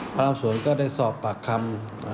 พนักงานสอบสวนก็ได้สอบปากคำ